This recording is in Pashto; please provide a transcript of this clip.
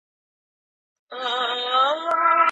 تاسو په کابل کي کومه سیمه د چکر لپاره خوښوئ؟